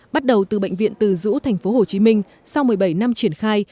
bắt đầu từ bệnh viện từ dũ tp hcm sau một mươi bảy năm triển khai